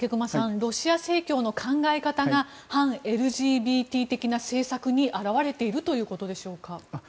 ロシア正教の考え方が反ＬＧＢＴ的な政策に表れているということですか？